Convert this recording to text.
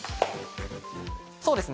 そうですね。